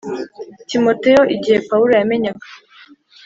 Timoteyo Igihe Pawulo yamenyaga